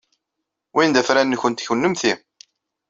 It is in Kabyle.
Win d afran-nwent kennemti.